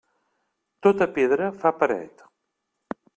Tota pedra fa paret.